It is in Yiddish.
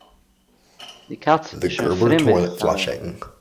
די קאַץ איז שוין פֿרימער פֿאַר אים.